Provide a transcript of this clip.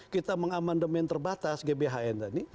kita mengamandemen terbatas gbhn tadi